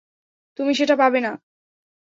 তুমি সেটা পাবে না।